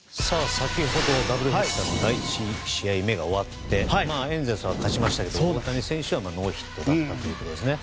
先ほどダブルヘッダーの第１試合目が終わってエンゼルスは勝ちましたが大谷選手はノーヒットだったということですね。